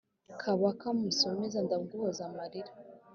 kabaka musomesa ndaguhoza amarira